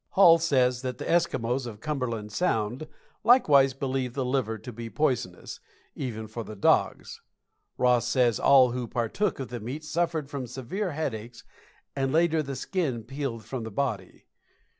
Hall says that the Eskimos of Cumberland Sound likewise believe the liver to be poisonous, even for the dogs. Ross says all who partook of the meat suffered from severe headaches, and later the skin peeled from the body.